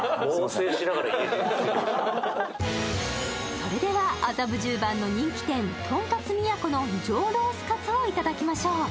それでは麻布十番の人気店、とんかつ都の上ロースかつを頂きましょう。